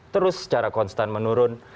terus secara konstan menurun